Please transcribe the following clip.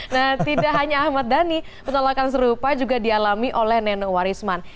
nah tidak hanya ahmad dhani penolakan serupa juga dialami oleh neno warisman